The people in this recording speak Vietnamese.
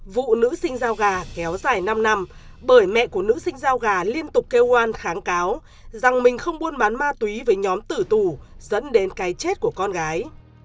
vụ nữ sinh giao gà kéo dài năm năm bởi mẹ của nữ sinh giao gà liên tục kêu oan kháng cáo rằng mình không buôn bán ma túy với nhóm tử tù dẫn đến cái chết của con gái